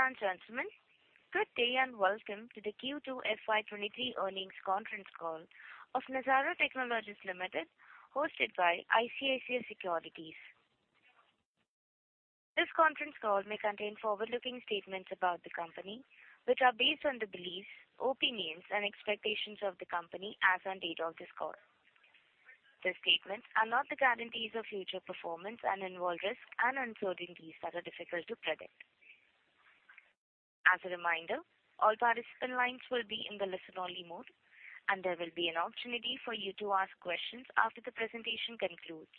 Ladies and gentlemen, good day and welcome to the Q2 FY 2023 earnings conference call of Nazara Technologies Limited, hosted by ICICI Securities. This conference call may contain forward-looking statements about the company, which are based on the beliefs, opinions, and expectations of the company as on date of this call. The statements are not the guarantees of future performance and involve risk and uncertainties that are difficult to predict. As a reminder, all participant lines will be in the listen-only mode, and there will be an opportunity for you to ask questions after the presentation concludes.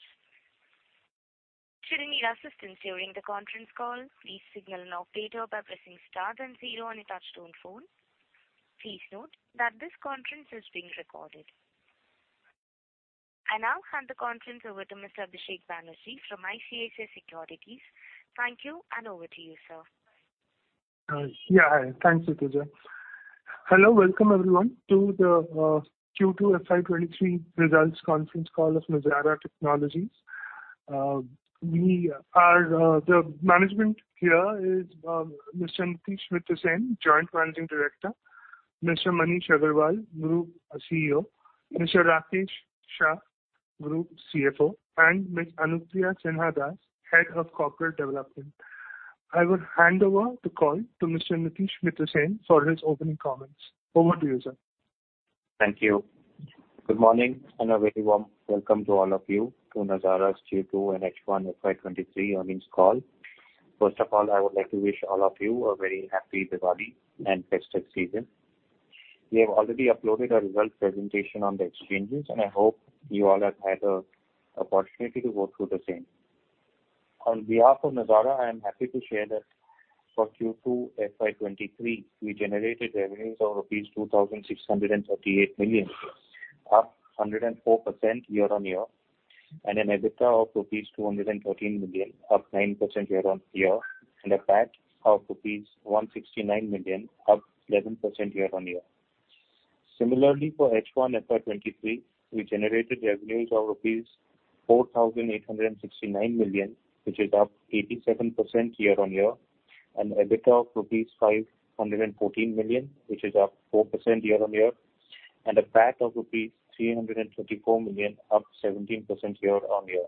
Should you need assistance during the conference call, please signal an operator by pressing star and zero on your touch-tone phone. Please note that this conference is being recorded. I now hand the conference over to Mr. Abhishek Banerjee from ICICI Securities. Thank you, and over to you, sir. Yeah, hi. Thanks, Kshitij. Hello, welcome everyone to the Q2 FY 2023 results conference call of Nazara Technologies. The management here is Mr. Nitish Mittersain, Joint Managing Director, Mr. Manish Agarwal, Group CEO, Mr. Rakesh Shah, Group CFO, and Ms. Anupriya Sinha Das, Head of Corporate Development. I will hand over the call to Mr. Nitish Mittersain for his opening comments. Over to you, sir. Thank you. Good morning and a very warm welcome to all of you to Nazara's Q2 and H1 FY 2023 earnings call. First of all, I would like to wish all of you a very happy Diwali and festive season. We have already uploaded a result presentation on the exchanges, and I hope you all have had an opportunity to go through the same. On behalf of Nazara, I am happy to share that for Q2 FY 2023, we generated revenues of rupees 2,638 million, up 104% year-on-year, and an EBITDA of rupees 213 million, up 9% year-on-year, and a PAT of rupees 169 million, up 11% year-on-year. Similarly, for H1 FY 2023, we generated revenues of rupees 4,869 million, which is up 87% year-on-year, an EBITDA of rupees 514 million, which is up 4% year-on-year, and a PAT of rupees 334 million, up 17% year-on-year.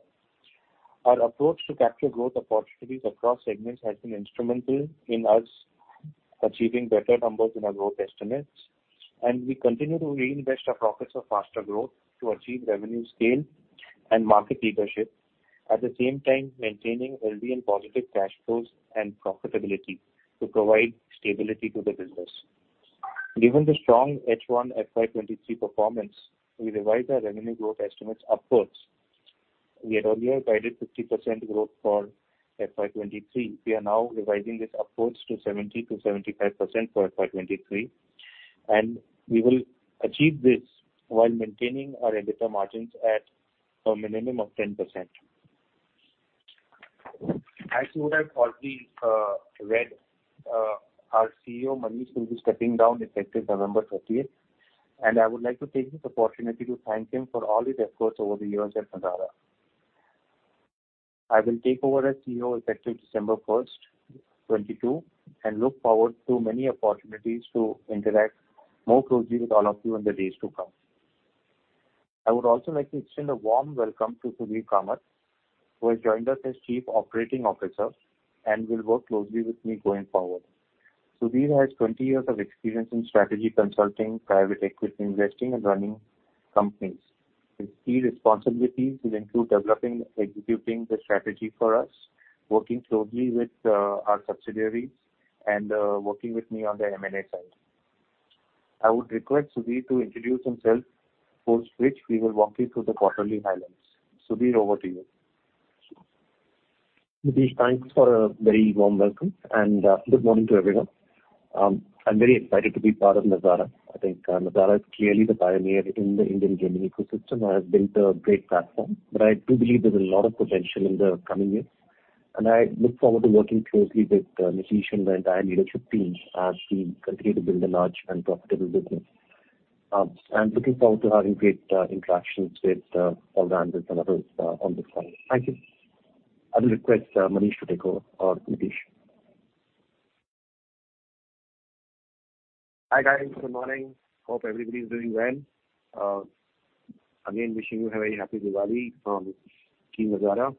Our approach to capture growth opportunities across segments has been instrumental in us achieving better numbers in our growth estimates, and we continue to reinvest our profits for faster growth to achieve revenue scale and market leadership, at the same time maintaining healthy and positive cash flows and profitability to provide stability to the business. Given the strong H1 FY 2023 performance, we revised our revenue growth estimates upwards. We had earlier guided 50% growth for FY 2023. We are now revising this upwards to 70%-75% for FY 2023, and we will achieve this while maintaining our EBITDA margins at a minimum of 10%. As you would have already read, our CEO, Manish, will be stepping down effective November 30th, and I would like to take this opportunity to thank him for all his efforts over the years at Nazara. I will take over as CEO effective December 1st, 2022, and look forward to many opportunities to interact more closely with all of you in the days to come. I would also like to extend a warm welcome to Sudhir Kamath, who has joined us as Chief Operating Officer and will work closely with me going forward. Sudhir has 20 years of experience in strategy consulting, private equity investing, and running companies. His key responsibilities will include developing and executing the strategy for us, working closely with our subsidiaries, and working with me on the M&A side. I would request Sudhir to introduce himself, after which we will walk you through the quarterly highlights. Sudhir, over to you. Nitish, thanks for a very warm welcome, and good morning to everyone. I'm very excited to be part of Nazara. I think Nazara is clearly the pioneer in the Indian gaming ecosystem and has built a great platform, but I do believe there's a lot of potential in the coming years, and I look forward to working closely with Nitish and the entire leadership team as we continue to build a large and profitable business. I'm looking forward to having great interactions with fund managers and others on this side. Thank you. I will request Manish to take over, or Nitish. Hi guys, good morning. Hope everybody's doing well. Again, wishing you a very happy Diwali from Team Nazara.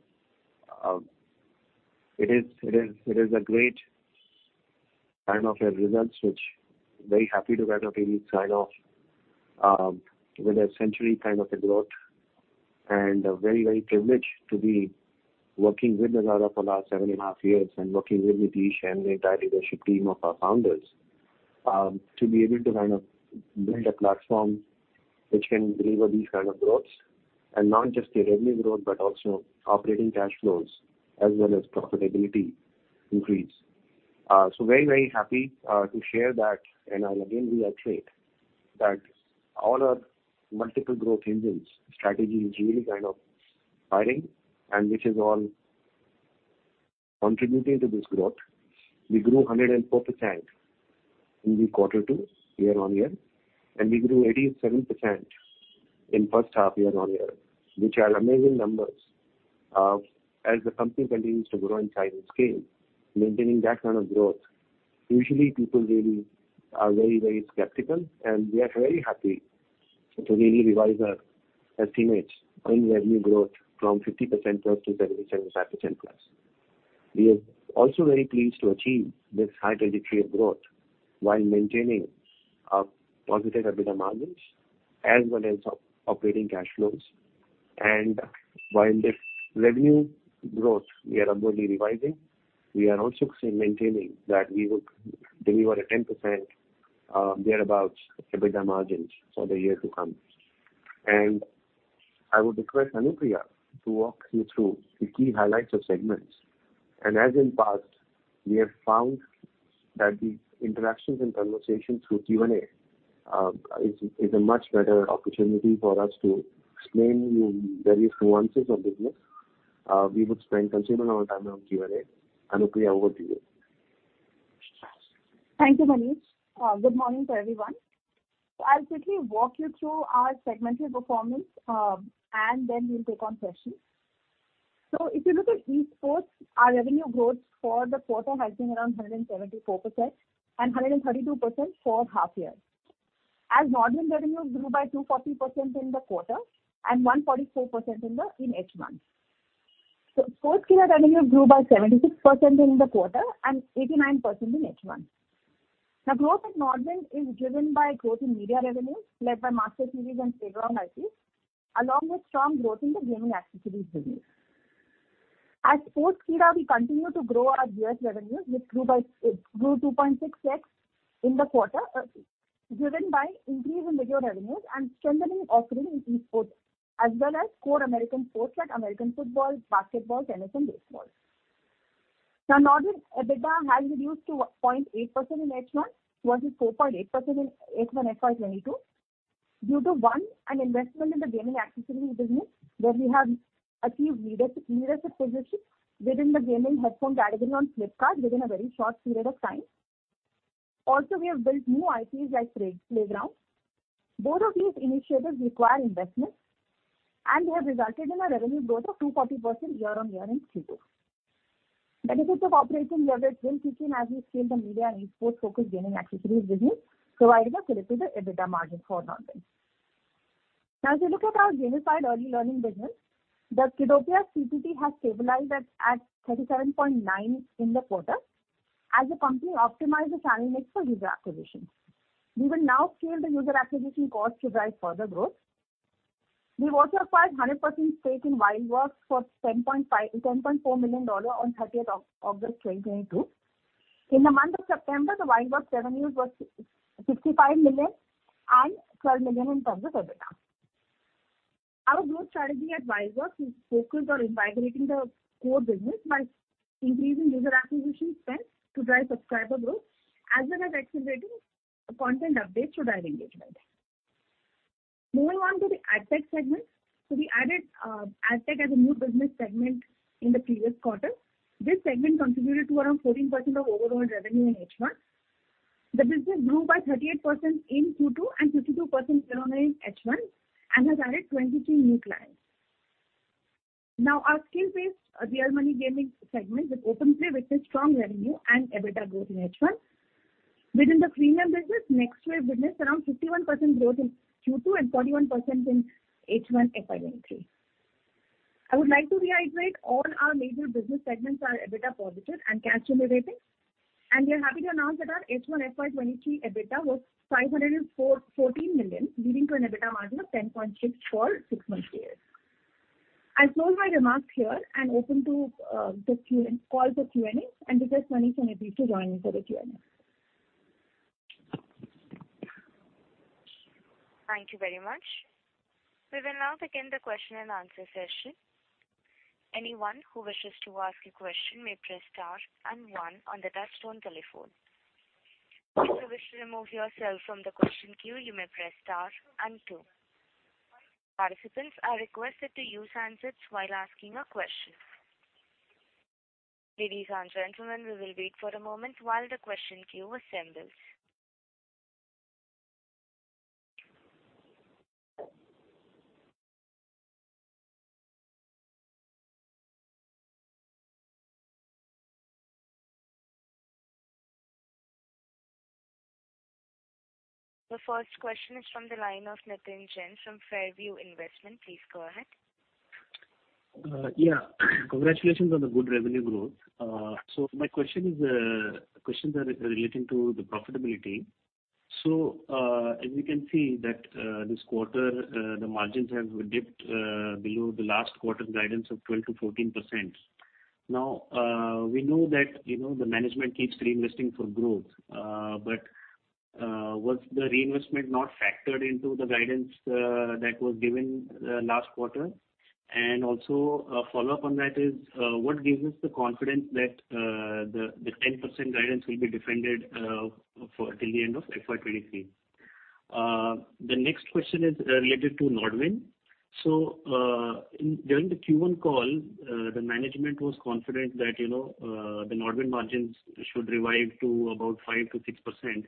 It is a great sign-off of results, which very happy to kind of really sign off with a century kind of a growth and a very, very privileged to be working with Nazara for the last 7.5 years and working with Nitish and the entire leadership team of our founders, to be able to kind of build a platform which can deliver these kind of growths, and not just the revenue growth but also operating cash flows as well as profitability increase. So very, very happy to share that, and I'll again reiterate that all our multiple growth engines strategy is really kind of firing, and which is all contributing to this growth. We grew 104% in the quarter two, year-on-year, and we grew 87% in the first half, year-on-year, which are amazing numbers. As the company continues to grow in size and scale, maintaining that kind of growth, usually people really are very, very skeptical, and we are very happy to really revise our estimates in revenue growth from 50%+ to 77.5%+. We are also very pleased to achieve this high trajectory of growth while maintaining positive EBITDA margins as well as operating cash flows, and while the revenue growth we are upwardly revising, we are also maintaining that we will deliver a 10%, thereabouts EBITDA margins for the year to come. I would request Anupriya to walk you through the key highlights of segments, and as in the past, we have found that the interactions and conversations through Q&A is a much better opportunity for us to explain to you various nuances of business. We would spend considerable amount of time on Q&A. Anupriya, over to you. Thank you, Manish. Good morning to everyone. So I'll quickly walk you through our segmental performance, and then we'll take on questions. So if you look at eSports, our revenue growth for the quarter has been around 174% and 132% for half-year, as NODWIN revenues grew by 240% in the quarter and 144% in H1. So Sportskeeda revenues grew by 76% in the quarter and 89% in H1. Now, growth at NODWIN is driven by growth in media revenues led by Master Series and Playground IPs, along with strong growth in the gaming accessories business. At Sportskeeda, we continue to grow our U.S. revenues, which grew by 2.6x in the quarter, driven by increase in video revenues and strengthening offering in eSports as well as core American sports like American football, basketball, tennis, and baseball. Now, NODWIN EBITDA has reduced to 0.8% in H1 versus 4.8% in H1 FY22 due to, one, an investment in the gaming accessories business where we have achieved leadership positions within the gaming headphone category on Flipkart within a very short period of time. Also, we have built new IPs like Playground. Both of these initiatives require investment, and they have resulted in a revenue growth of 240% year-on-year in Q2. Benefits of operating leverage will kick in as we scale the media and eSports-focused gaming accessories business, providing a flip to the EBITDA margin for NODWIN. Now, if you look at our gamified early learning business, the Kiddopia CPT has stabilized at 37.9 in the quarter as the company optimized the channel mix for user acquisition. We will now scale the user acquisition cost to drive further growth. We've also acquired 100% stake in WildWorks for $10.5 $10.4 million on 30th August 2022. In the month of September, the WildWorks revenues were $65 million and $12 million in terms of EBITDA. Our growth strategy at WildWorks is focused on invigorating the core business by increasing user acquisition spend to drive subscriber growth as well as accelerating content updates to drive engagement. Moving on to the AdTech segment, so we added AdTech as a new business segment in the previous quarter. This segment contributed to around 14% of overall revenue in H1. The business grew by 38% in Q2 and 52% year-on-year in H1 and has added 23 new clients. Now, our skill-based real money gaming segment with OpenPlay witnessed strong revenue and EBITDA growth in H1. Within the freemium business, Nextwave witnessed around 51% growth in Q2 and 41% in H1 FY 2023. I would like to reiterate, all our major business segments are EBITDA positive and cash-generating, and we are happy to announce that our H1 FY 2023 EBITDA was 514 million, leading to an EBITDA margin of 10.6% for six-month periods. I'll close my remarks here and open to the Q&A call for Q&A and request Manish and Nitish to join me for the Q&A. Thank you very much. We will now begin the question-and-answer session. Anyone who wishes to ask a question may press star and one on the touchtone telephone. If you wish to remove yourself from the question queue, you may press star and two. Participants are requested to use handsets while asking a question. Ladies and gentlemen, we will wait for a moment while the question queue assembles. The first question is from the line of Nitin Jain from Fairview Investment. Please go ahead. Yeah. Congratulations on the good revenue growth. So my question is, questions are relating to the profitability. So, as you can see that, this quarter, the margins have dipped below the last quarter guidance of 12%-14%. Now, we know that, you know, the management keeps reinvesting for growth, but, was the reinvestment not factored into the guidance, that was given, last quarter? And also, follow-up on that is, what gives us the confidence that, the, the 10% guidance will be defended, for till the end of FY 2023? The next question is related to NODWIN. So, in during the Q1 call, the management was confident that, you know, the NODWIN margins should revive to about 5%-6%,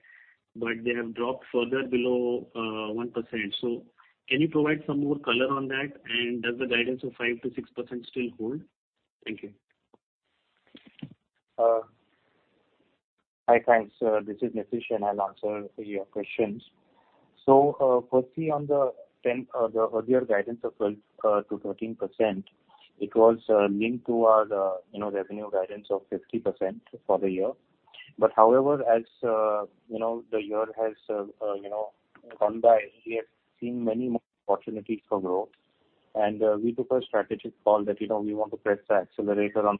but they have dropped further below 1%. So can you provide some more color on that, and does the guidance of 5%-6% still hold? Thank you. Hi, thanks. This is Nitish, and I'll answer your questions. So, firstly, on the EBITDA, the earlier guidance of 12%-13%, it was linked to our, you know, revenue guidance of 50% for the year. But however, as, you know, the year has, you know, gone by, we have seen many more opportunities for growth, and we took a strategic call that, you know, we want to press the accelerator on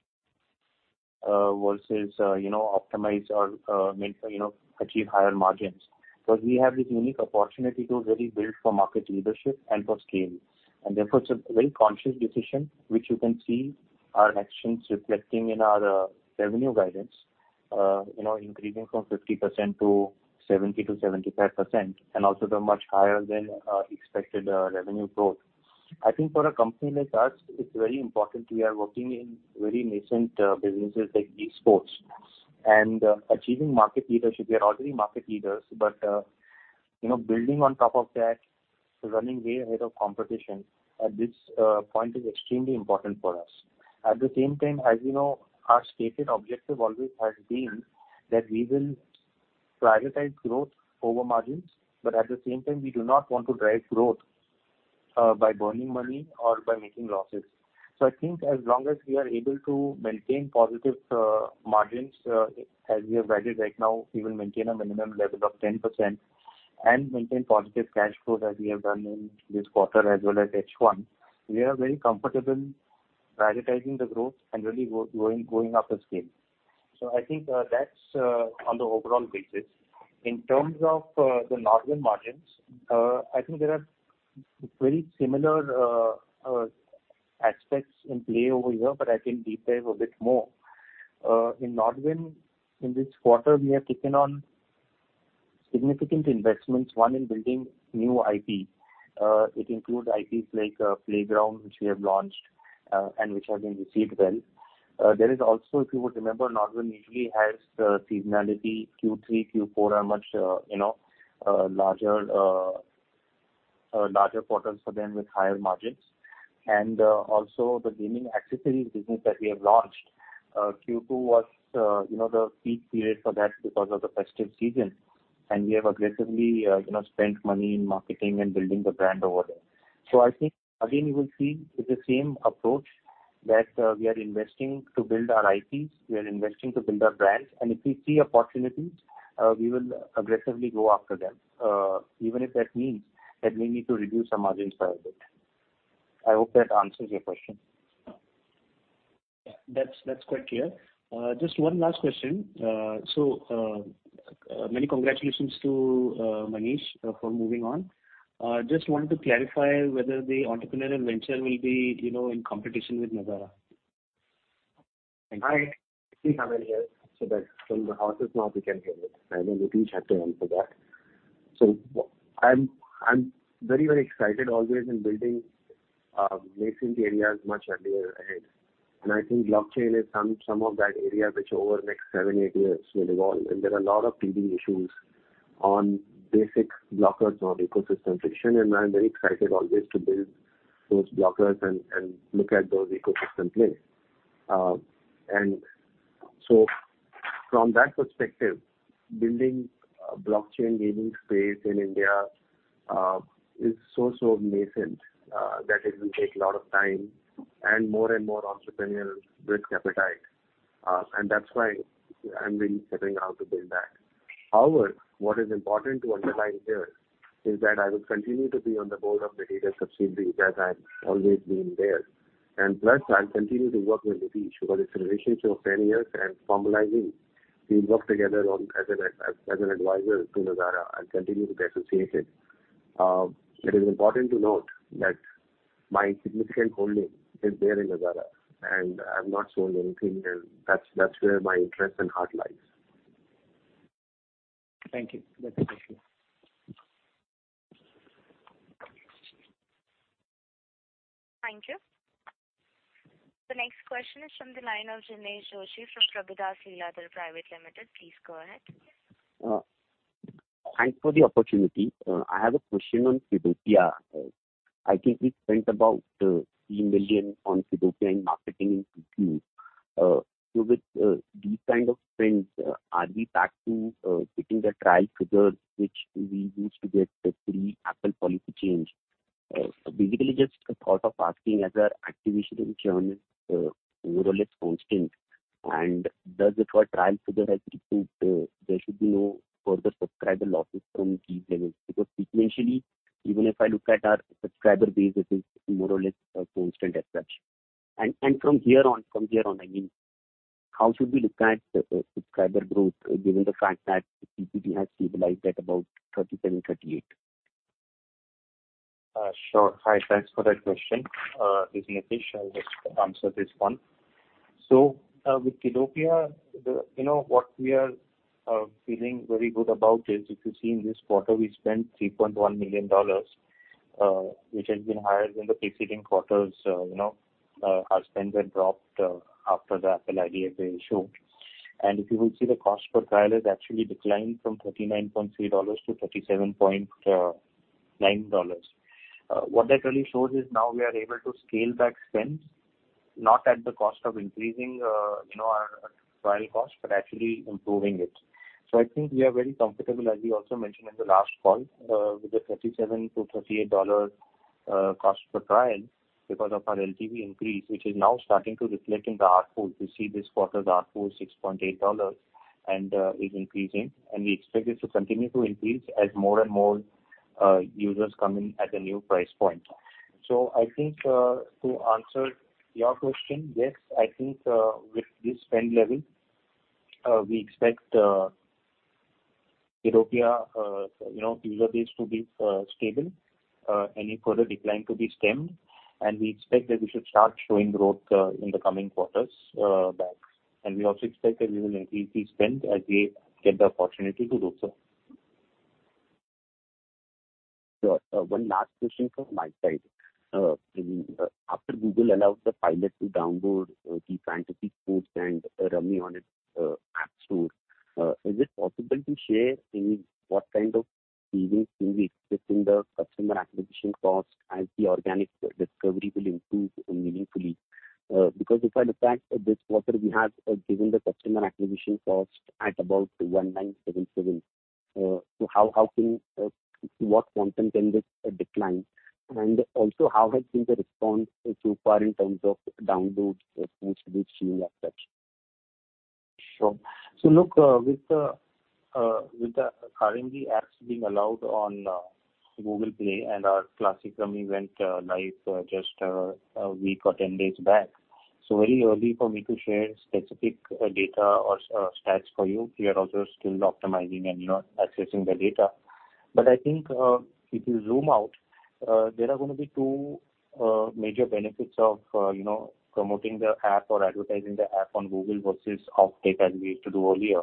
versus, you know, optimize our, I mean, you know, achieve higher margins. But we have this unique opportunity to really build for market leadership and for scale, and therefore it's a very conscious decision, which you can see our actions reflecting in our revenue guidance, you know, increasing from 50% to 70%-75%, and also the much higher than expected revenue growth. I think for a company like us, it's very important we are working in very nascent businesses like eSports and achieving market leadership. We are already market leaders, but you know, building on top of that, running way ahead of competition at this point is extremely important for us. At the same time, as you know, our stated objective always has been that we will prioritize growth over margins, but at the same time, we do not want to drive growth by burning money or by making losses. So I think as long as we are able to maintain positive margins, as we have guided right now, we will maintain a minimum level of 10% and maintain positive cash flows as we have done in this quarter as well as H1, we are very comfortable prioritizing the growth and really going up the scale. So I think that's on the overall basis. In terms of the NODWIN margins, I think there are very similar aspects in play over here, but I can deep dive a bit more. In NODWIN, in this quarter, we have taken on significant investments, one in building new IPs. It includes IPs like Playground, which we have launched, and which have been received well. There is also if you would remember, NODWIN usually has seasonality. Q3, Q4 are much, you know, larger, larger quarters for them with higher margins. And also, the gaming accessories business that we have launched, Q2 was, you know, the peak period for that because of the festive season, and we have aggressively, you know, spent money in marketing and building the brand over there. So I think, again, you will see it's the same approach that we are investing to build our IPs. We are investing to build our brands, and if we see opportunities, we will aggressively go after them, even if that means that we need to reduce our margins by a bit. I hope that answers your question. Yeah. That's quite clear. Just one last question. So, many congratulations to Manish for moving on. Just wanted to clarify whether the entrepreneurial venture will be, you know, in competition with Nazara. Thank you. Hi. I think I'm in here so that when the house is not, we can hear it. I know Nitish had to answer that. So, I'm very excited always in building nascent areas much earlier ahead, and I think blockchain is some of that area which over the next 7-8 years will evolve. And there are a lot of leading issues on basic blockers or ecosystem friction, and I'm very excited always to build those blockers and look at those ecosystem plays. And so from that perspective, building blockchain gaming space in India is so nascent that it will take a lot of time and more and more entrepreneurs with appetite. And that's why I'm really stepping out to build that. However, what is important to underline here is that I will continue to be on the board of the data subsidiaries as I've always been there, and plus, I'll continue to work with Nitish because it's a relationship of 10 years and formalizing. We'll work together as an advisor to Nazara. I'll continue to be associated. It is important to note that my significant holding is there in Nazara, and I've not sold anything, and that's where my interest and heart lies. Thank you. That's appreciated. Thank you. The next question is from the line of Jinesh Joshi from Prabhudas Lilladher. Please go ahead. Thanks for the opportunity. I have a question on Kiddopia. I think we spent about $3 million on Kiddopia in marketing in Q2. So with these kind of spends, are we back to getting the trial figure which we used to get pre-Apple policy change? Basically, just a thought of asking, as our activation in Germany more or less constant, and does if our trial figure has improved, there should be no further subscriber losses from these levels? Because sequentially, even if I look at our subscriber base, it is more or less constant as such. And from here on, I mean, how should we look at the subscriber growth given the fact that the CPT has stabilized at about 37-38? Sure. Hi. Thanks for that question. This is Nitish. I'll just answer this one. So, with Kiddopia, you know, what we are feeling very good about is if you see in this quarter, we spent $3.1 million, which has been higher than the preceding quarters. You know, our spends have dropped after the Apple IDFA issue. And if you will see, the cost per trial has actually declined from $39.3-$37.9. What that really shows is now we are able to scale back spends, not at the cost of increasing, you know, our, our trial cost, but actually improving it. So I think we are very comfortable, as we also mentioned in the last call, with the $37-$38 cost per trial because of our LTV increase, which is now starting to reflect in the ad pool. You see this quarter's ARPU is $6.8 and is increasing, and we expect this to continue to increase as more and more users come in at the new price point. So I think, to answer your question, yes, I think with this spend level, we expect Kiddopia, you know, user base to be stable, any further decline to be stemmed, and we expect that we should start showing growth in the coming quarters back. And we also expect that we will increase this spend as we get the opportunity to do so. Sure. One last question from my side. I mean, after Google allowed the Play to download the Fantasy Sports and Rummy on its app store, is it possible to share any what kind of savings can we expect in the customer acquisition cost as the organic discovery will improve meaningfully? Because if I look back at this quarter, we have given the customer acquisition cost at about 1,977. So how, how can to what quantum can this decline? And also, how has been the response so far in terms of downloads post-Play Store as such? Sure. So look, with the current apps being allowed on Google Play and our Classic Rummy went live just a week or 10 days back. So very early for me to share specific data or stats for you. We are also still optimizing and, you know, accessing the data. But I think, if you zoom out, there are going to be two major benefits of, you know, promoting the app or advertising the app on Google versus off-Google as we used to do earlier.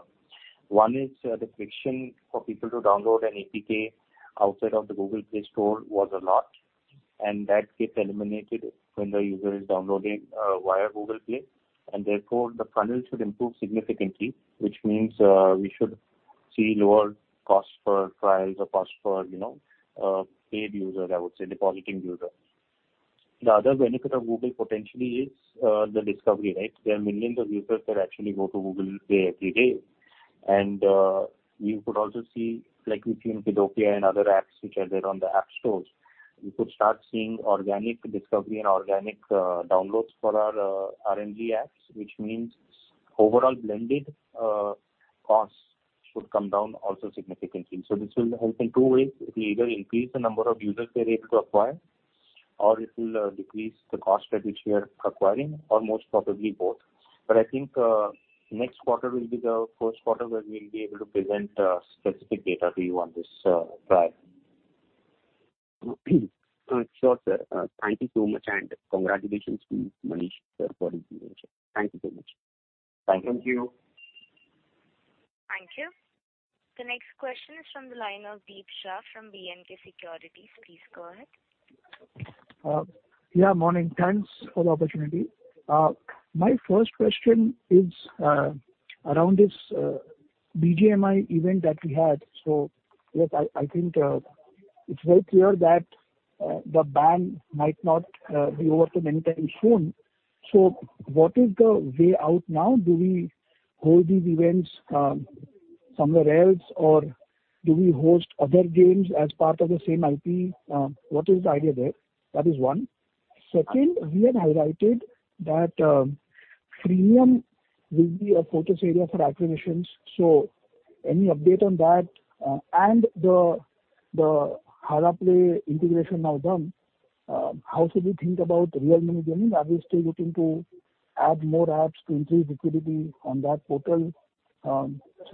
One is, the friction for people to download an APK outside of the Google Play Store was a lot, and that gets eliminated when the user is downloading via Google Play. And therefore, the funnel should improve significantly, which means, we should see lower costs for trials or costs for, you know, paid users, I would say, depositing users. The other benefit of Google potentially is, the discovery, right? There are millions of users that actually go to Google Play every day, and, you could also see like we've seen Kidopia and other apps which are there on the app stores. You could start seeing organic discovery and organic, downloads for our, RMG apps, which means overall blended, costs should come down also significantly. So this will help in two ways. It will either increase the number of users they're able to acquire, or it will, decrease the cost that we share acquiring, or most probably both. But I think, next quarter will be the first quarter where we'll be able to present, specific data to you on this, trial. Sure, sir. Thank you so much, and congratulations to Manish, sir, for his leadership. Thank you so much. Thank you. Thank you. Thank you. The next question is from the line of Deep Shah from B&K Securities. Please go ahead. Yeah. Morning. Thanks for the opportunity. My first question is around this BGMI event that we had. So yes, I, I think it's very clear that the ban might not be over anytime soon. So what is the way out now? Do we hold these events somewhere else, or do we host other games as part of the same IP? What is the idea there? That is one. Second, we have highlighted that Freemium will be a focus area for acquisitions. So any update on that, and the Halaplay integration now done, how should we think about real money gaming? Are we still looking to add more apps to increase liquidity on that portal? So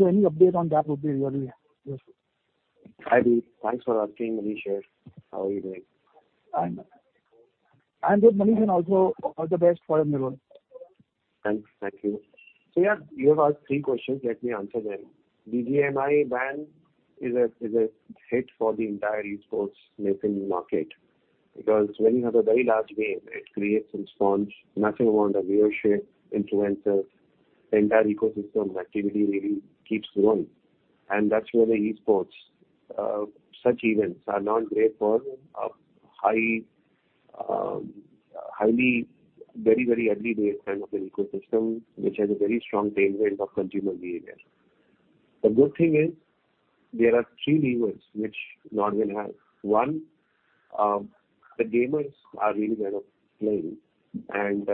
any update on that would be really useful. Hi, Deep. Thanks for asking, Manish here. How are you doing? I'm good. I'm good, Manish, and also all the best for your future. Thanks. Thank you. So yeah, you have asked three questions. Let me answer them. The BGMI ban is a hit for the entire eSports nascent market because when you have a very large game, it creates some sponge. Nothing wants a viewership, influencers. The entire ecosystem activity really keeps growing. And that's where the eSports, such events are not great for, high, highly very, very ugly day kind of an ecosystem which has a very strong tailwind of consumer behavior. The good thing is there are three levers which NODWIN has. One, the gamers are really kind of playing, and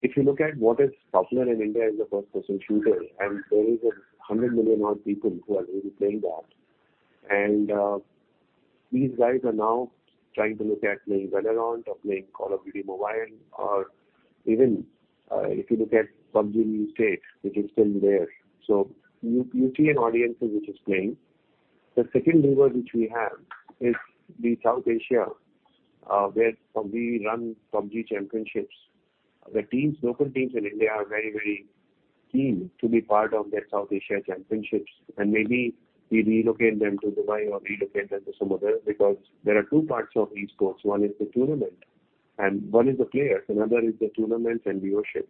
if you look at what is popular in India is the first-person shooter, and there is a 100 million-odd people who are really playing that. These guys are now trying to look at playing Valorant or playing Call of Duty Mobile or even, if you look at PUBG: New State, which is still there. So you see an audience which is playing. The second lever which we have is the South Asia, where we run PUBG Championships. The teams, local teams in India, are very, very keen to be part of their South Asia Championships, and maybe we relocate them to Dubai or relocate them to somewhere else because there are two parts of eSports. One is the tournament, and one is the players, and the other is the tournaments and viewership.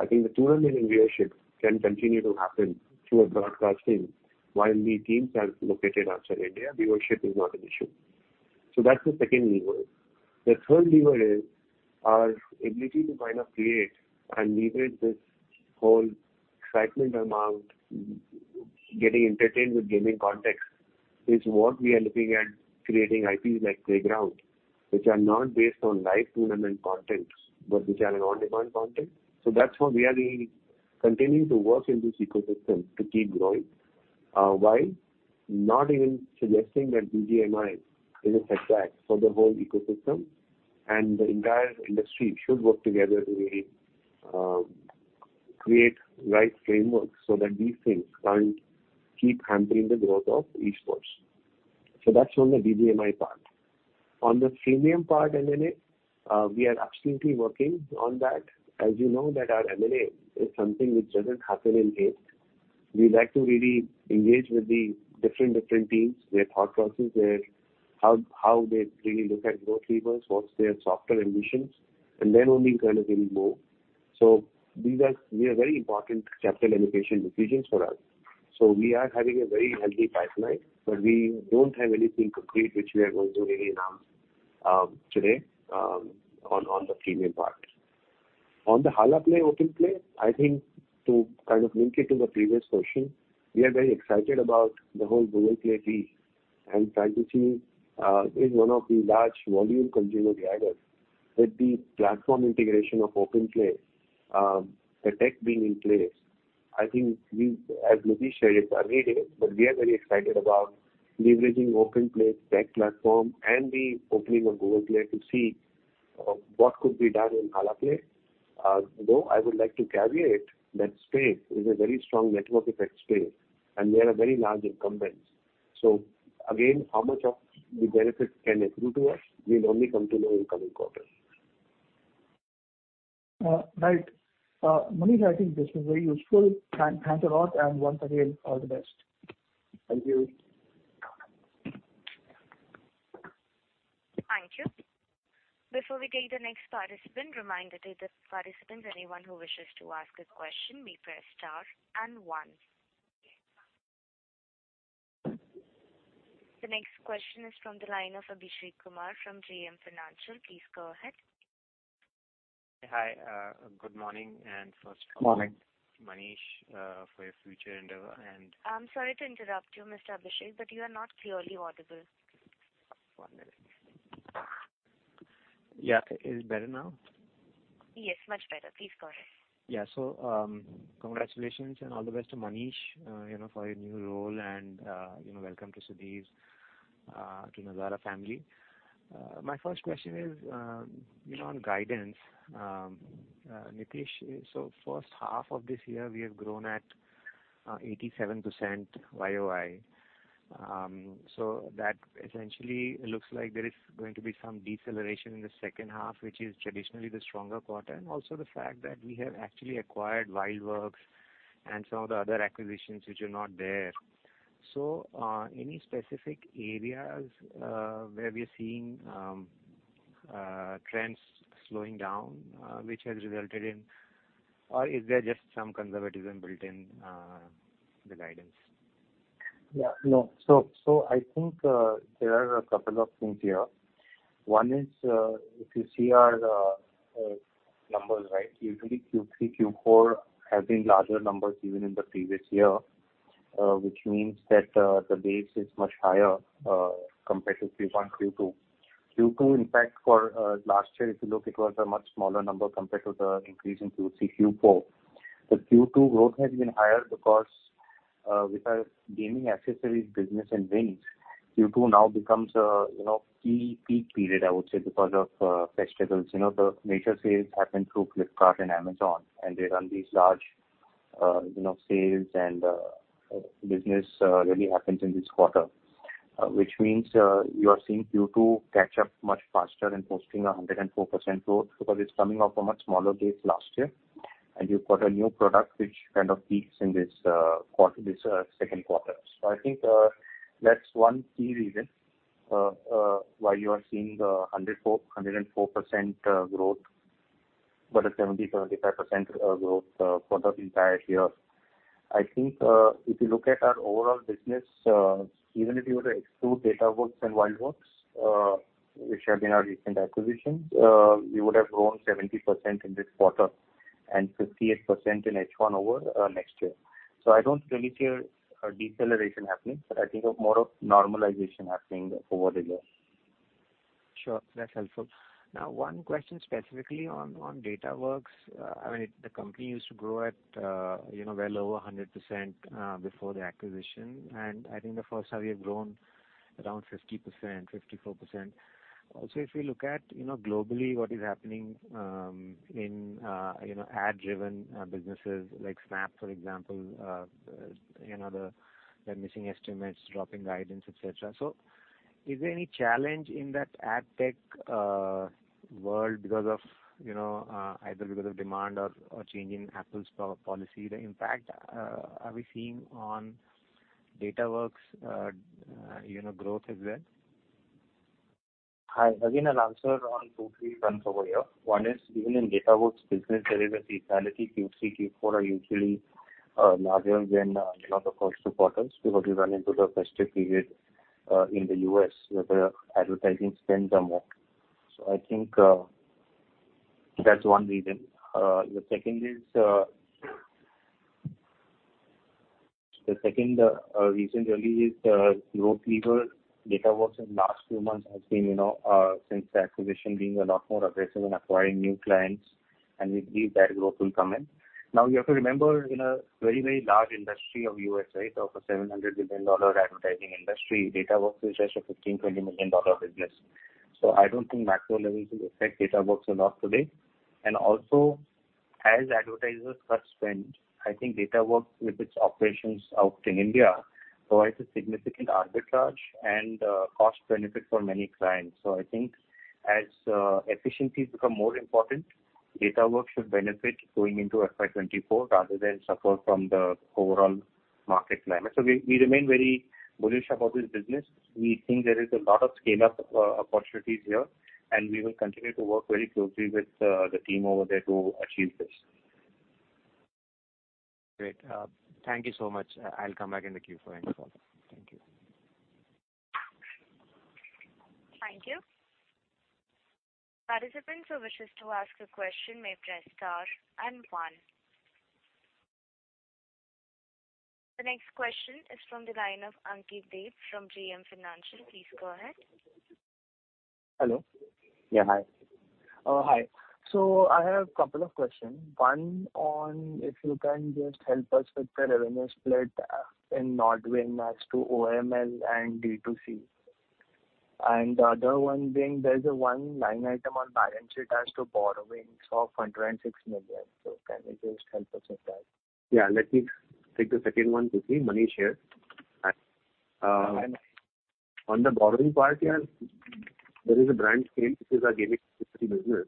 I think the tournament and viewership can continue to happen through broadcasting while the teams are located outside India. Viewership is not an issue. So that's the second lever. The third lever is our ability to kind of create and leverage this whole excitement around getting entertained with gaming content. This is what we are looking at creating IPs like Playground which are not based on live tournament content but which are on-demand content. So that's how we are really continuing to work in this ecosystem to keep growing, while not even suggesting that BGMI is a setback for the whole ecosystem. And the entire industry should work together to really create right frameworks so that these things can't keep hampering the growth of eSports. So that's on the BGMI part. On the freemium part, M&A, we are absolutely working on that. As you know, that our M&A is something which doesn't happen in haste. We like to really engage with the different teams, their thought process, their how they really look at growth levels, what's their softer ambitions, and then only kind of really move. So these are very important capital allocation decisions for us. So we are having a very healthy pipeline, but we don't have anything complete which we are going to really announce today on the Freemium part. On the Halaplay OpenPlay, I think to kind of link it to the previous question, we are very excited about the whole Google Play fee and trying to see, is one of the large volume consumer drivers with the platform integration of OpenPlay, the tech being in place. I think, as Nitish shared, it's a hard day today, but we are very excited about leveraging OpenPlay's tech platform and the opening of Google Play to see what could be done in Halaplay. Though, I would like to caveat that space is a very strong network effect space, and there are very large incumbents. So again, how much of the benefit can accrue to us, we'll only come to know in coming quarters. Right. Manish, I think this was very useful. Thanks a lot, and once again, all the best. Thank you. Thank you. Before we take the next participant reminder to the participants, anyone who wishes to ask a question, may press star and one. The next question is from the line of Abhishek Kumar from JM Financial. Please go ahead. Hi. Good morning. And first. Morning. Manish, for your future inter and. I'm sorry to interrupt you, Mr. Abhishek, but you are not clearly audible. One minute. Yeah. Is it better now? Yes, much better. Please go ahead. Yeah. So, congratulations and all the best to Manish, you know, for your new role, and, you know, welcome to Sudhir, to Nazara family. My first question is, you know, on guidance, Nitish, so first half of this year, we have grown at 87% YoY. So that essentially looks like there is going to be some deceleration in the second half, which is traditionally the stronger quarter, and also the fact that we have actually acquired WildWorks and some of the other acquisitions which are not there. So, any specific areas where we are seeing trends slowing down, which has resulted in or is there just some conservatism built in the guidance? Yeah. No. So, so I think, there are a couple of things here. One is, if you see our numbers, right, usually Q3, Q4 have been larger numbers even in the previous year, which means that the base is much higher compared to Q1, Q2. Q2, in fact, for last year, if you look, it was a much smaller number compared to the increase in Q3, Q4. The Q2 growth has been higher because, with our gaming accessories business and wins, Q2 now becomes a, you know, key peak period, I would say, because of festivals. You know, the major sales happen through Flipkart and Amazon, and they run these large, you know, sales, and business really happens in this quarter, which means you are seeing Q2 catch up much faster in posting a 104% growth because it's coming off a much smaller base last year, and you've got a new product which kind of peaks in this quarter, this second quarter. So I think that's one key reason why you are seeing the 104% growth but a 70%-75% growth for the entire year. I think if you look at our overall business, even if you were to exclude Datawrkz and WildWorks, which have been our recent acquisitions, we would have grown 70% in this quarter and 58% in H1 over next year. So I don't really see a deceleration happening, but I think more of normalization happening over the year. Sure. That's helpful. Now, one question specifically on Datawrkz. I mean, the company used to grow at, you know, well over 100%, before the acquisition. And I think the first time we have grown around 50%, 54%. Also, if we look at, you know, globally, what is happening, in, you know, ad-driven, businesses like Snap, for example, you know, they're missing estimates, dropping guidance, etc. So is there any challenge in that ad tech, world because of, you know, either because of demand or, or change in Apple's policy, the impact, are we seeing on Datawrkz's, you know, growth as well? Hi. Again, an answer on two key trends over here. One is even in Datawrkz business, there is a seasonality. Q3, Q4 are usually larger than, you know, the first two quarters because we run into the festive period, in the U.S. where the advertising spends are more. So I think, that's one reason. The second reason really is the growth lever. Datawrkz in the last few months has been, you know, since the acquisition being a lot more aggressive in acquiring new clients, and we believe that growth will come in. Now, you have to remember, in a very, very large industry of the U.S., right, of a $700 billion advertising industry, Datawrkz is just a $15 million-$20 million business. So I don't think macro levels will affect Datawrkz a lot today. Also, as advertisers cut spend, I think Datawrkz, with its operations out in India, provides a significant arbitrage and cost benefit for many clients. So I think as efficiencies become more important, Datawrkz should benefit going into FY 2024 rather than suffer from the overall market climate. So we, we remain very bullish about this business. We think there is a lot of scale-up opportunities here, and we will continue to work very closely with the team over there to achieve this. Great. Thank you so much. I'll come back in the queue for any follow-up. Thank you. Thank you. Participants who wishes to ask a question may press star and one. The next question is from the line of Ankit Dave from JM Financial. Please go ahead. Hello. Yeah. Hi. Oh, hi. So I have a couple of questions. One on if you can just help us with the revenue split in NODWIN as to OML and D2C. And the other one being there's a one line item on balance sheet as to borrowings of 106 million. So can you just help us with that? Yeah. Let me take the second one to see. Manish here. Hi, Manish. On the borrowing part here, there is a Brandscale. This is a gaming industry business,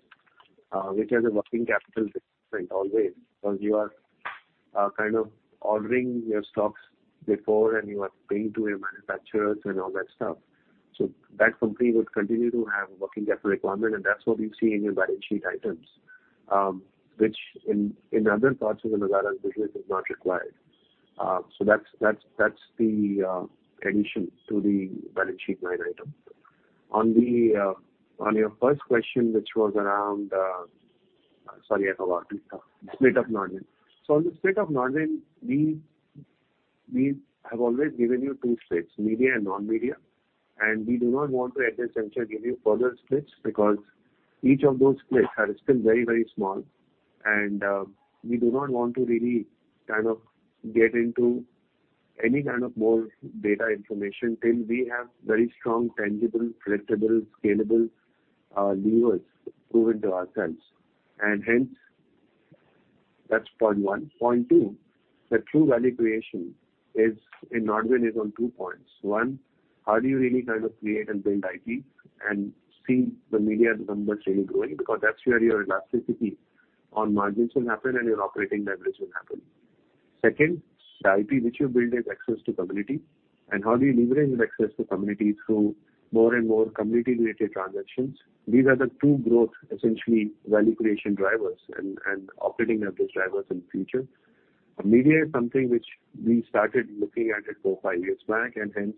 which has a working capital requirement always because you are, kind of, ordering your stocks before, and you are paying to your manufacturers and all that stuff. So that company would continue to have a working capital requirement, and that's what you see in your balance sheet items, which in other parts of the Nazara business is not required. So that's the addition to the balance sheet line item. On your first question, which was around, sorry, I forgot the split of NODWIN. So on the split of NODWIN, we have always given you two splits, media and non-media. And we do not want to at this juncture give you further splits because each of those splits are still very, very small. We do not want to really kind of get into any kind of more data information till we have very strong, tangible, predictable, scalable, levers proven to ourselves. And hence, that's point one. Point two, the true value creation is in NODWIN is on two points. One, how do you really kind of create and build IPs and see the media numbers really growing? Because that's where your elasticity on margins will happen, and your operating leverage will happen. Second, the IP which you build is access to community. And how do you leverage that access to community through more and more community-related transactions? These are the two growth, essentially, value creation drivers and, and operating leverage drivers in the future. Media is something which we started looking at four or five years back, and hence,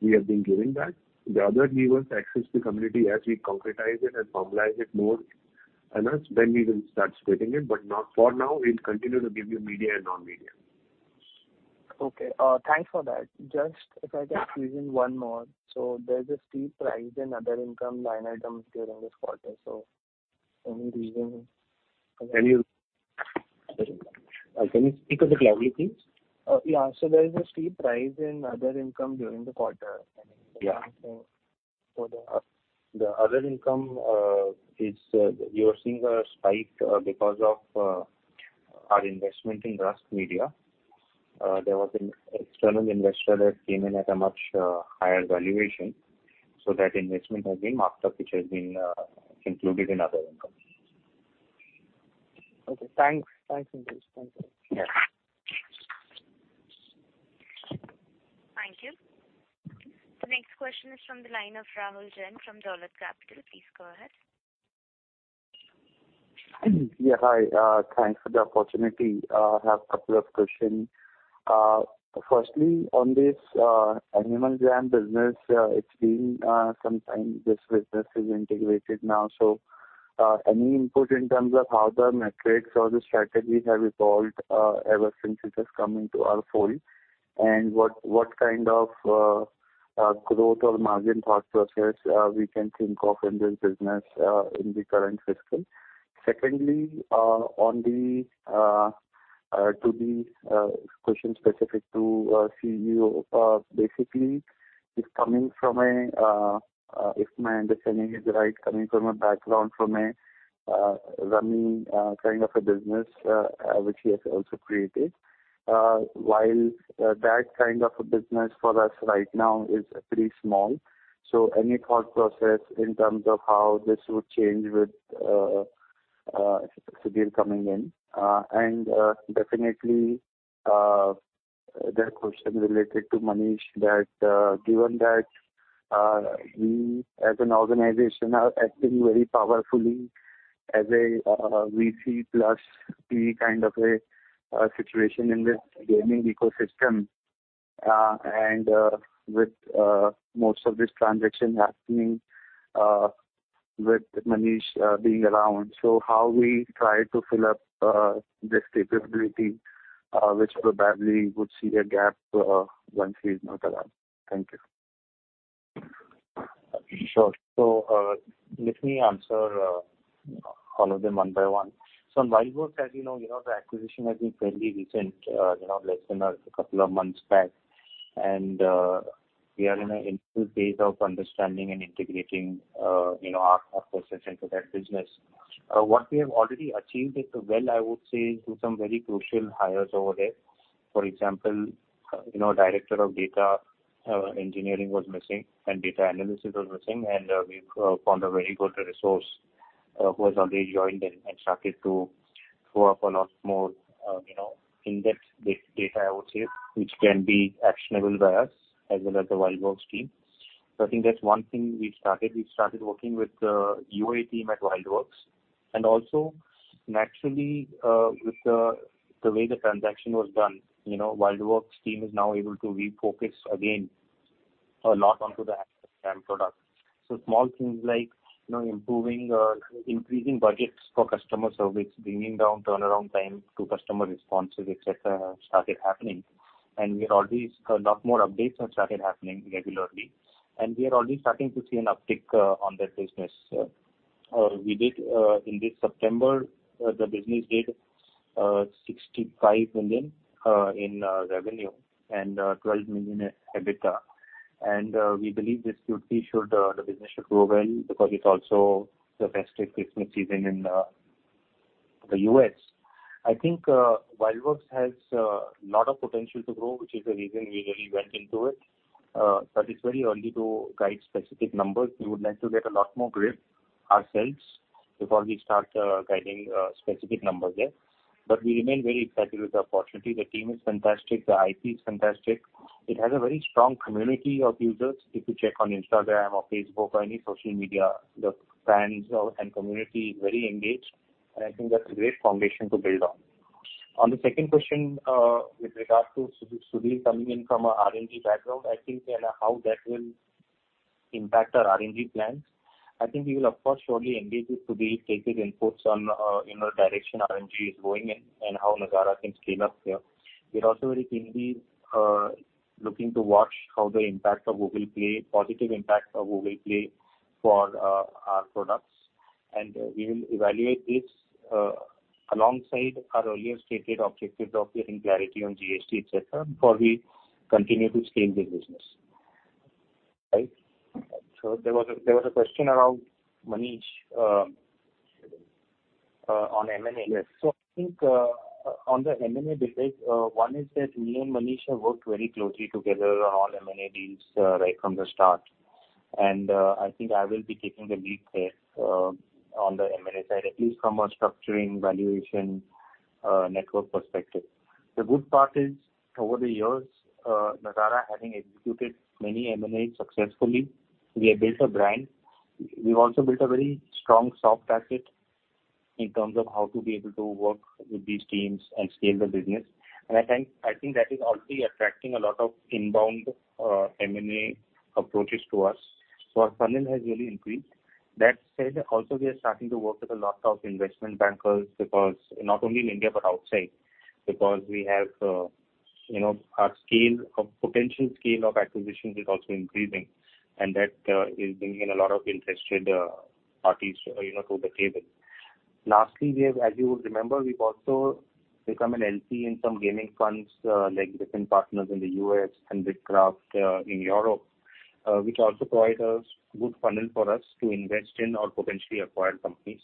we have been giving that. The other lever is access to community. As we concretize it and formalize it more enough, then we will start splitting it. But not for now. We'll continue to give you media and non-media. Okay. Thanks for that. Just if I get to raise one more. So there's a steep rise in other income line items during this quarter. So any reason for that? And can you speak on the color, please? Yeah. So there's a steep rise in other income during the quarter. Yeah. For the. The other income, is, you are seeing a spike, because of, our investment in Rusk Media. There was an external investor that came in at a much, higher valuation. So that investment has been marked up, which has been, included in other income. Okay. Thanks. Thanks, Nitish. Thanks, Manish. Yeah. Thank you. The next question is from the line of Rahul Jain from Dolat Capital. Please go ahead. Yeah. Hi. Thanks for the opportunity. I have a couple of questions. Firstly, on this Animal Jam business, it's been some time this business is integrated now. So, any input in terms of how the metrics or the strategies have evolved ever since it has come into our fold, and what kind of growth or margin thought process we can think of in this business in the current fiscal? Secondly, on the question specific to the CEO, basically, it's coming from a, if my understanding is right, coming from a background from a running kind of a business which he has also created. While that kind of a business for us right now is pretty small. So any thought process in terms of how this would change with Sudhir coming in? Definitely, the question related to Manish that, given that, we as an organization are acting very powerfully as a VC plus PE kind of a situation in this gaming ecosystem, and with most of this transaction happening with Manish being around. So how we try to fill up this capability, which probably would see a gap once he's not around. Thank you. Sure. So, let me answer all of them one by one. So on WildWorks, as you know, you know, the acquisition has been fairly recent, you know, less than a couple of months back. And, we are in an initial phase of understanding and integrating, you know, our, our process into that business. What we have already achieved is, well, I would say, is do some very crucial hires over there. For example, you know, a director of data engineering was missing, and data analysis was missing. And, we've found a very good resource, who has already joined and, and started to throw up a lot more, you know, in-depth data, I would say, which can be actionable by us as well as the WildWorks team. So I think that's one thing we've started. We've started working with the UA team at WildWorks. And also, naturally, with the way the transaction was done, you know, WildWorks team is now able to refocus again a lot onto the Animal Jam product. So small things like, you know, improving, increasing budgets for customer service, bringing down turnaround time to customer responses, etc., have started happening. And we are already a lot more updates have started happening regularly. And we are already starting to see an uptick on that business. We did, in this September, the business did $65 million in revenue and $12 million EBITDA. And we believe this Q3, the business should grow well because it's also the festive Christmas season in the U.S. I think WildWorks has a lot of potential to grow, which is the reason we really went into it. But it's very early to guide specific numbers. We would like to get a lot more grip ourselves before we start guiding specific numbers there. But we remain very excited with the opportunity. The team is fantastic. The IP is fantastic. It has a very strong community of users, if you check on Instagram or Facebook or any social media. The fans and community is very engaged. And I think that's a great foundation to build on. On the second question, with regard to Sudhir coming in from a RMG background, I think, and how that will impact our RMG plans, I think we will, of course, surely engage with Sudhir, take his inputs on, in what direction RMG is going in and how Nazara can scale up here. We're also very keenly looking to watch how the impact of Google Play, positive impact of Google Play for, our products. We will evaluate this, alongside our earlier stated objectives of getting clarity on GST, etc., before we continue to scale this business, right? Sure. There was a question around Manish, on M&A. Yes. So I think, on the M&A business, one is that me and Manish have worked very closely together on all M&A deals, right from the start. And, I think I will be taking the lead there, on the M&A side, at least from a structuring, valuation, network perspective. The good part is, over the years, Nazara having executed many M&As successfully, we have built a brand. We've also built a very strong soft asset in terms of how to be able to work with these teams and scale the business. And I think that is already attracting a lot of inbound M&A approaches to us. So our funnel has really increased. That said, also, we are starting to work with a lot of investment bankers because not only in India but outside because we have, you know, our scale of potential scale of acquisitions is also increasing. And that is bringing in a lot of interested parties, you know, to the table. Lastly, we have, as you will remember, we've also become an LP in some gaming funds, like Griffin Partners in the U.S. and BITKRAFT in Europe, which also provide us good funnel for us to invest in or potentially acquire companies.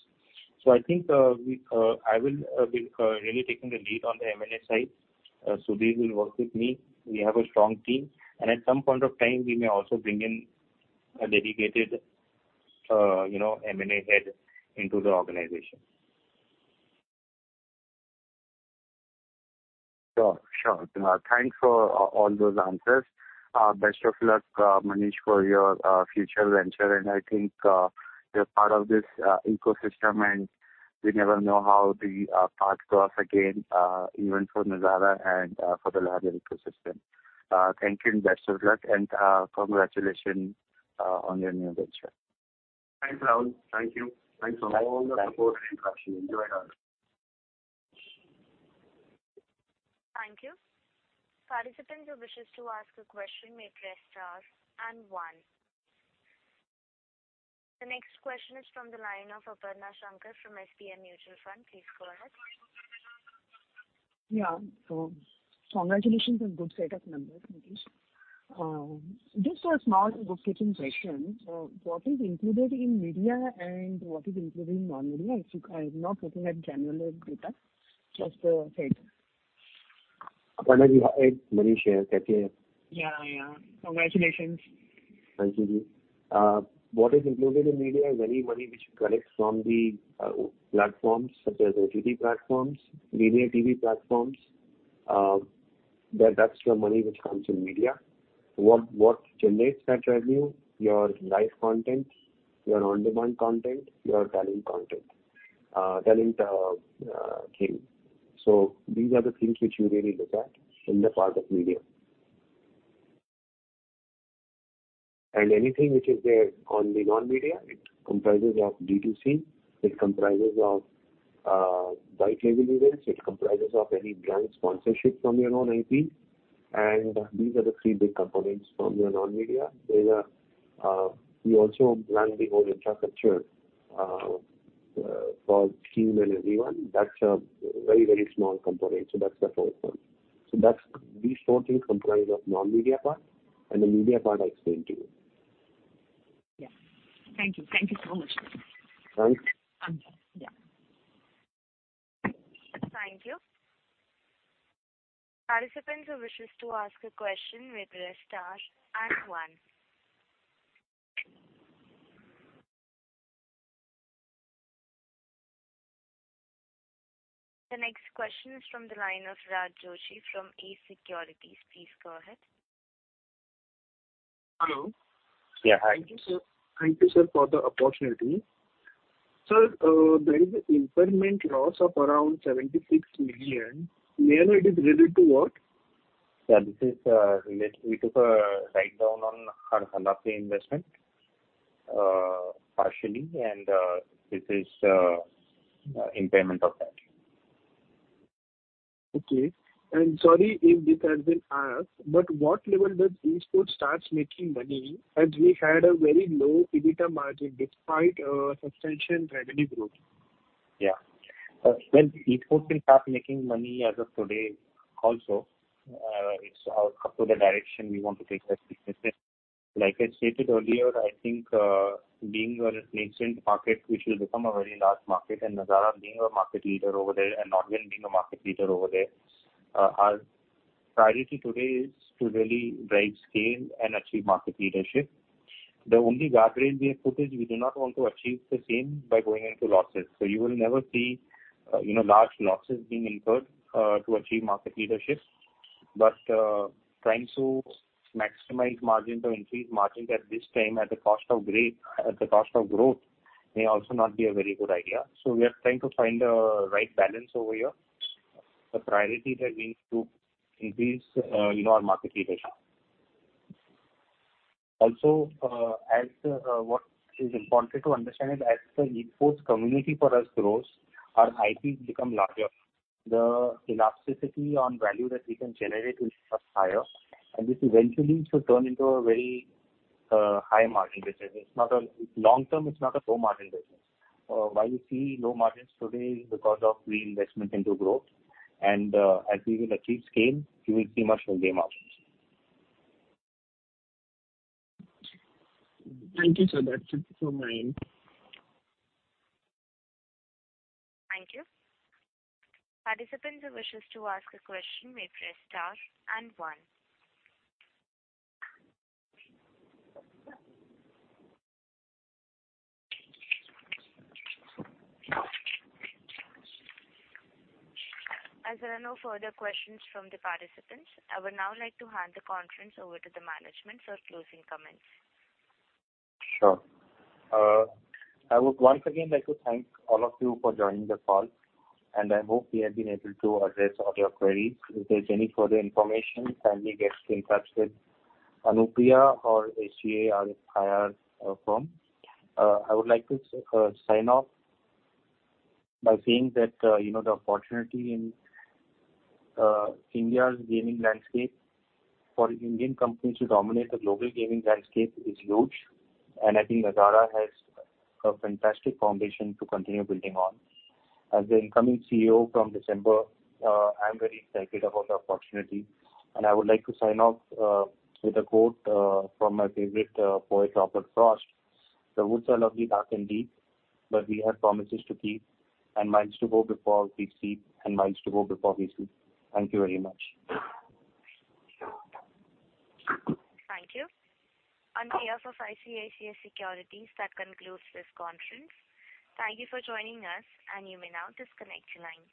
So I think, I will be really taking the lead on the M&A side. Sudhir will work with me. We have a strong team. And at some point of time, we may also bring in a dedicated, you know, M&A head into the organization. Sure. Sure. Thanks for all those answers. Best of luck, Manish, for your future venture. And I think you're part of this ecosystem, and we never know how the path goes again, even for Nazara and for the larger ecosystem. Thank you, and best of luck. And, congratulations on your new venture. Thanks, Rahul. Thank you. Thanks so much. Thank you. For all the support and interaction. Enjoy it, Rahul. Thank you. Participants who wishes to ask a question may press star and one. The next question is from the line of Aparna Shanker from SB Mutual Fund. Please go ahead. Yeah. So, congratulations on a good set of numbers, Nitish. Just a small bookkeeping question. What is included in media, and what is included in non-media? If you, I am not looking at granular data, just the heads. Aparna. Hi, Manish here. Kathy here. Yeah. Yeah. Congratulations. Thank you, Ji. What is included in media? Is any money which collects from the platforms such as OTT platforms, Media-TV platforms, that that's the money which comes in media? What, what generates that revenue? Your live content, your on-demand content, your talent content, talent thing. So these are the things which you really look at in the part of media. And anything which is there on the non-media, it comprises of D2C. It comprises of white-label events. It comprises of any brand sponsorship from your own IP. And these are the three big components from your non-media. There's, we also run the whole infrastructure for Steam and everyone. That's a very, very small component. So that's the fourth one. So that's these four things comprise of non-media part. And the media part, I explained to you. Yeah. Thank you. Thank you so much, Nitish. Thanks. I'm done. Yeah. Thank you. Participants who wish to ask a question may press star and one. The next question is from the line of Raj Joshi from Ace Securities. Please go ahead. Hello? Yeah. Hi. Thank you, sir. Thank you, sir, for the opportunity. Sir, there is an incremental loss of around 76 million. May I know it is related to what? Yeah. This is related. We took a write-down on our Halaplay investment, partially. And this is impairment of that. Okay. Sorry if this has been asked, but what level does eSports starts making money? We had a very low EBITDA margin despite substantial revenue growth. Yeah. Well, eSports will start making money as of today also. It's up to the direction we want to take that business in. Like I stated earlier, I think, being a nascent market which will become a very large market, and Nazara being a market leader over there and NODWIN being a market leader over there, our priority today is to really drive scale and achieve market leadership. The only guardrail we have put is we do not want to achieve the same by going into losses. So you will never see, you know, large losses being incurred, to achieve market leadership. But, trying to maximize margins or increase margins at this time at the cost of growth at the cost of growth may also not be a very good idea. So we are trying to find the right balance over here, the priority that we need to increase, you know, our market leadership. Also, as, what is important to understand is as the eSports community for us grows, our IPs become larger. The elasticity on value that we can generate will be much higher. And this eventually should turn into a very, high margin business. It's not a long-term, it's not a low-margin business. Why you see low margins today is because of reinvestment into growth. And, as we will achieve scale, you will see much heavier margins. Thank you, sir. That's it from my end. Thank you. Participants who wish to ask a question may press star and one. As there are no further questions from the participants, I would now like to hand the conference over to the management for closing comments. Sure. I would once again like to thank all of you for joining the call. I hope we have been able to address all your queries. If there's any further information, kindly get in touch with Anupriya or our IR firm. I would like to sign off by saying that, you know, the opportunity in India's gaming landscape for Indian companies to dominate the global gaming landscape is huge. I think Nazara has a fantastic foundation to continue building on. As the incoming CEO from December, I am very excited about the opportunity. I would like to sign off with a quote from my favorite poet, Robert Frost. "The woods are lovely, dark, and deep, but we have promises to keep, and miles to go before we sleep, and miles to go before we sleep." Thank you very much. Thank you. On behalf of ICICI Securities, that concludes this conference. Thank you for joining us. You may now disconnect your line.